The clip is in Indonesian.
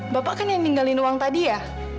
bapak kan yang ninggalin uang tadi ya